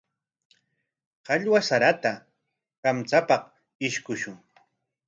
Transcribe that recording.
Qallwa sarata kamchapaq ishkushun.